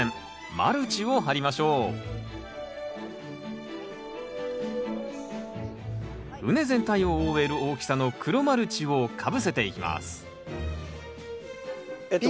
マルチを張りましょう畝全体を覆える大きさの黒マルチをかぶせていきますピンと。